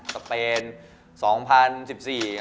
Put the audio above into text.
สเปน๒๐๑๔เนี่ย